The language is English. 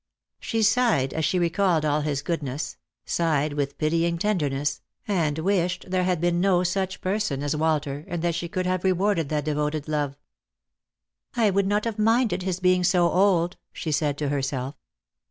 She sighed as she recalled all his goodness — sighed with pity ing tenderness, and wished there had been no such person as Walter, and that she could have rewarded that devoted love. " I would not have minded his being so old," she said to herself.